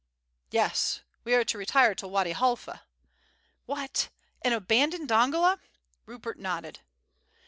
"Yes, we are to retire to Wady Halfa." "What! and abandon Dongola?" Rupert nodded.